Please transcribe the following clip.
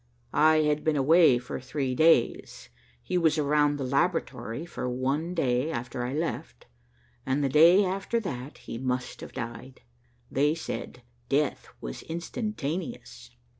I had been away for three days. He was around the laboratory for one day after I left, and the day after that he must have died. They said death was instantaneous."